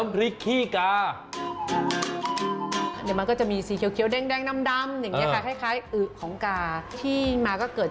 แพงไหมนะทุกคน